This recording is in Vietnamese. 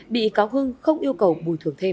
bị cáo hưng không yêu cầu bồi thường thêm